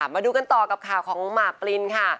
มาดูกันต่อกับข่าวของหมากปลินค่ะ